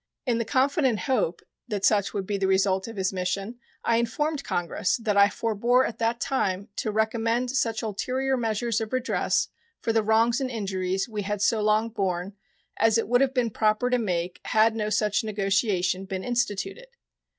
In the confident hope that such would be the result of his mission, I informed Congress that I forbore at that time to "recommend such ulterior measures of redress for the wrongs and injuries we had so long borne as it would have been proper to make had no such negotiation been instituted."